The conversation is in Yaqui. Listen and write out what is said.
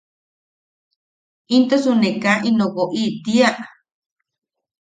–¿Intosu ne kaa ino woʼi tiia?